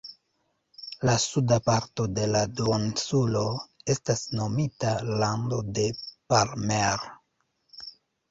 La suda parto de la duoninsulo estas nomita "lando de Palmer".